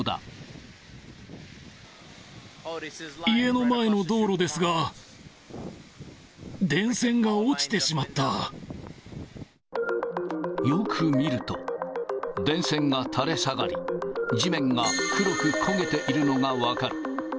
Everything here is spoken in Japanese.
家の前の道路ですが、よく見ると、電線が垂れ下がり、地面が黒く焦げているのが分かる。